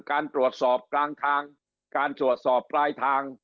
การตรวจสอบกลางทางการตรวจสอบปลายทาง